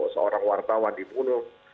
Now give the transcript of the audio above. seorang wartawan dibunuh